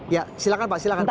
ya silahkan pak silahkan pak